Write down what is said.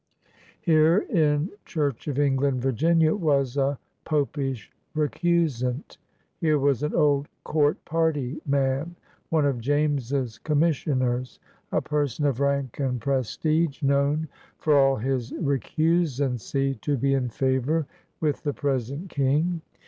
Here in Church of England Virginia was a ''pop ish recusant!'* Here was an old "court party'* man, one of James's conmiissioners, a person of rank and prestige, known, for all his recusancy, to be in favor with the present King.